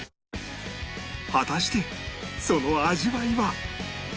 果たしてその味わいは？